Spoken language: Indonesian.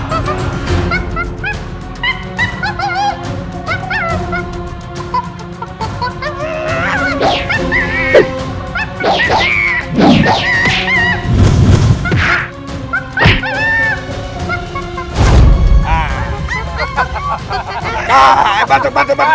kau harus menuruti janjimu